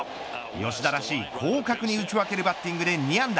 吉田らしい、広角に打ち分けるバッティングで２安打。